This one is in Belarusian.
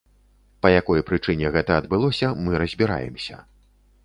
Па якой прычыне гэта адбылося, мы разбіраемся.